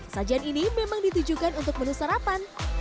sajian ini memang ditujukan untuk menu sarapan